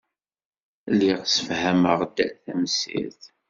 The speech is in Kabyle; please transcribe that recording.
Lliɣ ssefhameɣ-d tamsirt.